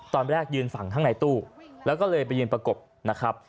ตอนแรกยืนฝั่งข้างในตู้แล้วก็เลยไปยืนประกบนะครับ